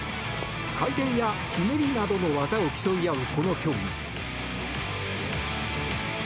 回転やひねりなどの技を競い合うこの競技。